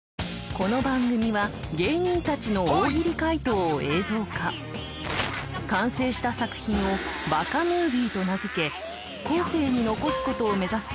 この番組は芸人たちの完成した作品を「ＢＡＫＡムービー」と名付け後世に残すことを目指す